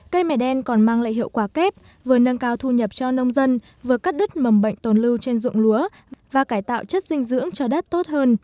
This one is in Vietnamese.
cây mè đen còn mang lại hiệu quả kép vừa nâng cao thu nhập cho nông dân vừa cắt đứt mầm bệnh tồn lưu trên ruộng lúa và cải tạo chất dinh dưỡng cho đất tốt hơn